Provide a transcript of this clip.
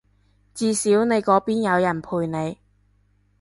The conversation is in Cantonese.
至少你嗰邊有人陪你